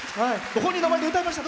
本人の前で歌いました。